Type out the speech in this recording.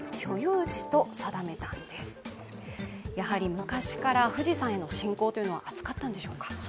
昔から富士山への信仰は厚かったんでしょうか。